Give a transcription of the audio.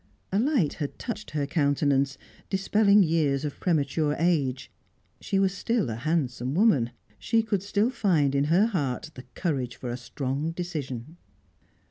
A light had touched her countenance, dispelling years of premature age; she was still a handsome woman; she could still find in her heart the courage for a strong decision.